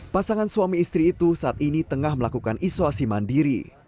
pasangan suami istri itu saat ini tengah melakukan isolasi mandiri